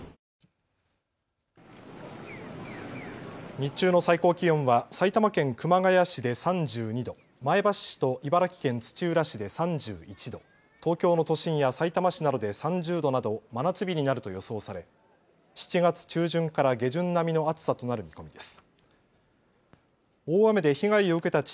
日中の最高気温は埼玉県熊谷市で３２度、前橋市と茨城県土浦市で３１度、東京の都心やさいたま市などで３０度など真夏日になると予想され７月中旬から下旬並みの暑さとなる見込みです。